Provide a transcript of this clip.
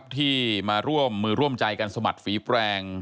ที่มาร่วมมือร่วมใจกันสมัครฝีแปลง